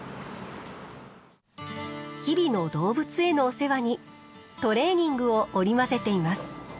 日々の動物へのお世話にトレーニングを織り交ぜています。